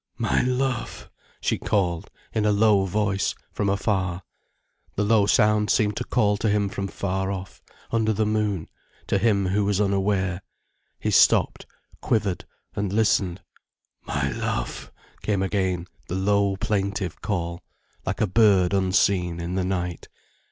"My love!" she called, in a low voice, from afar. The low sound seemed to call to him from far off, under the moon, to him who was unaware. He stopped, quivered, and listened. "My love," came again the low, plaintive call, like a bird unseen in the night.